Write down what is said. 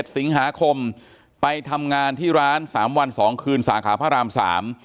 ๑๗สิงหาคมไปทำงานที่ร้าน๓วัน๒คืนสาขาพระราม๓